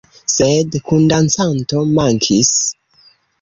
Sed kundancanto mankis.